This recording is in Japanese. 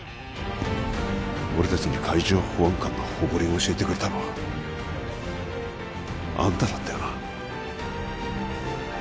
俺達に海上保安官の誇りを教えてくれたのはあんただったよな